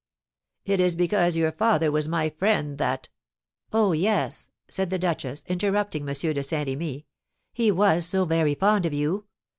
"It is because your father was my friend that " "Oh, yes," said the duchess, interrupting M. de Saint Remy, "he was so very fond of you!